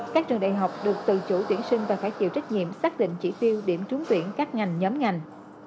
các trường đại học được tự chủ tuyển sinh và phải chịu trách nhiệm xác định chỉ tiêu điểm trúng tuyển các ngành nhóm ngành